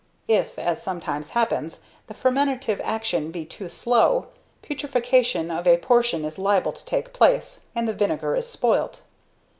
If, as sometimes happens, the fermentative action be too slow, putrefaction of a portion is liable to take place, and the vinegar is spoilt.